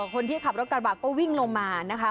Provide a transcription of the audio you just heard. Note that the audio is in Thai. คนที่ขับรถกระบะก็วิ่งลงมานะคะ